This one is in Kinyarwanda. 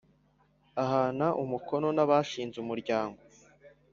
ahana umukono n abashinze umuryango